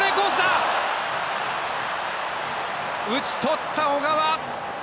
打ち取った、小川。